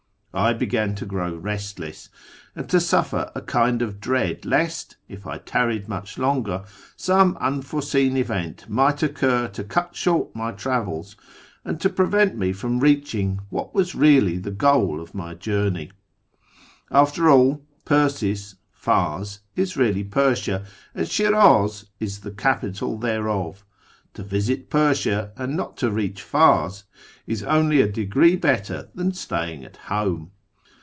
I began to grow restless, and to suffer a kind of dread lest, if I tarried much longer, some unforeseen event might occur to cut short my travels and to prevent me from reaching what was really the goal of my journey. After all, Persis (Fdrs) is really Persia, and Shiraz is the capital thereof; to visit Persia and not to reach Pars is only a degree better than staying at home.